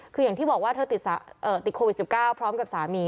คืออย่างที่บอกว่าเธอติดโควิด๑๙พร้อมกับสามี